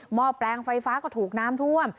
ห้อแปลงไฟฟ้าก็ถูกน้ำท่วม